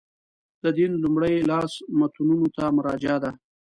د دین لومړي لاس متنونو ته مراجعه ده.